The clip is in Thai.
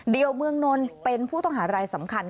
เดียวเมืองนนท์เป็นผู้ต้องหารายสำคัญ